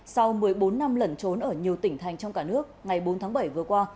sau một mươi bốn năm lẩn trốn ở nhiều tỉnh thành trong cả nước ngày bốn tháng bảy vừa qua